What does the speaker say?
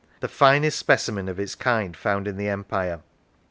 the finest specimen of its kind found in the Empire.